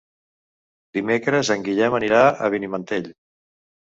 Dimecres en Guillem anirà a Benimantell.